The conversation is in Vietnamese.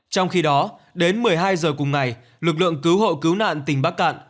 trong khi đó đến một mươi hai giờ cùng ngày lực lượng cứu hộ cứu nạn tỉnh bắc cạn